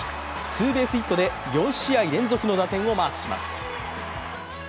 ツーベースヒットで４試合連続の打点をマークします。